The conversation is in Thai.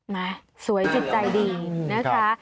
สวยจิตใจดีนะคะ